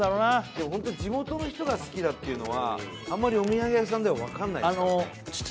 でもホントに地元の人が好きだっていうのはあんまりお土産屋さんでは分かんないですよね